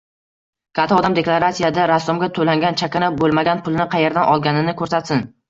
Katta odam deklaratsiyasida rassomga to'langan chakana bo'lmagan pulni qayerdan olganini ko'rsatsin